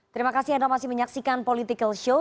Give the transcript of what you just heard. terima kasih anda masih menyaksikan political show